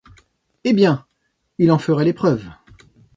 Eh bien, il en ferait l’épreuve!